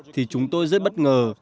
thì chúng tôi rất bất ngờ